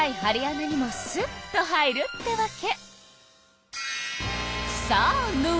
なにもスッと入るってわけ。